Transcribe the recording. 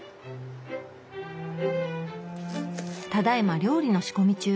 ただいま料理の仕込み中。